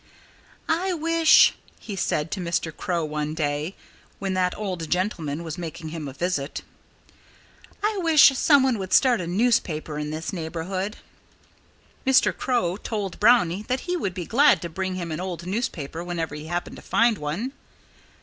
"I wish " he said to Mr. Crow one day, when that old gentleman was making him a visit "I wish someone would start a newspaper in this neighborhood." Mr. Crow told Brownie that he would be glad to bring him an old newspaper whenever he happened to find one.